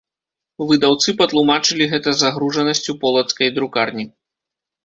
Выдаўцы патлумачылі гэта загружанасцю полацкай друкарні.